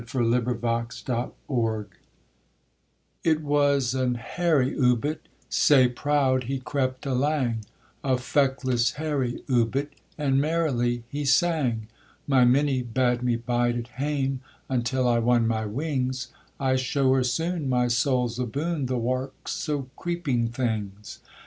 THE OUBIT It was an hairy oubit, sae proud he crept alang, A feckless hairy oubit, and merrily he sang 'My Minnie bad me bide at hame until I won my wings; I show her soon my soul's aboon the warks o' creeping things.'